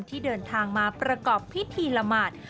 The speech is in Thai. ที่เดินทางมาประกอบพิธีละหมาด